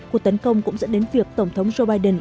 cuộc tấn công cũng dẫn đến việc tổng thống joe biden